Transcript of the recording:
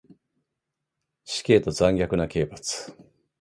死刑と残虐な刑罰